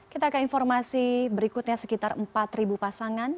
kita ke informasi berikutnya sekitar empat pasangan